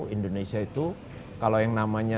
indonesia itu kalau yang namanya